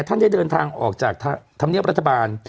ท่านได้เดินทางออกจากธรรมเนียบรัฐบาล